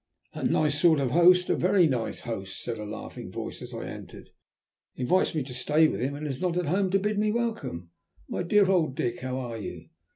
"A nice sort of host, a very nice host," said a laughing voice as I entered. "He invites me to stay with him, and is not at home to bid me welcome. My dear old Dick, how are you?"